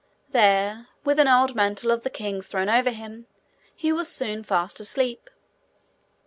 There, with an old mantle of the king's thrown over him, he was soon fast asleep.